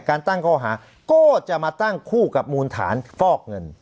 การตั้งข้อหาก็จะมาตั้งคู่กับมูลฐานฟอกเงิน